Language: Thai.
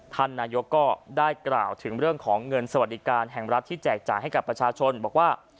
ท่านนายกก็ได้กล่าวถึงเรื่องของเงินสวัสดิการแห่งรัฐที่แจกจ่ายให้กับประชาชนบอกว่า